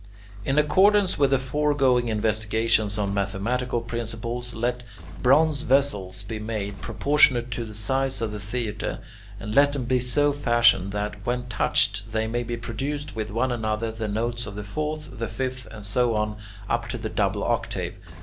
In accordance with the foregoing investigations on mathematical principles, let bronze vessels be made, proportionate to the size of the theatre, and let them be so fashioned that, when touched, they may produce with one another the notes of the fourth, the fifth, and so on up to the double octave.